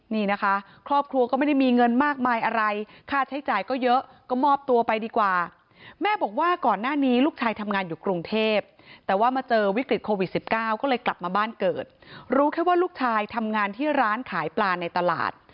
นี่นะคะครอบครัวก็ไม่ได้มีเงินมากมายอะไรค่าใช้จ่ายก็เยอะก็มอบตัวไปดีกว่าแม่บอกว่าก่อนหน้านี้ลูกชายทำงานอยู่กรุงเทพแต่ว่ามาเจอวิกฤตโควิด๑๙ก็เลยกลับมาบ้านเกิดรู้แค่ว่าลูกชายทำงานที่ร้านขายปลาในตลาด